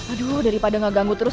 aduh daripada nggak ganggu terus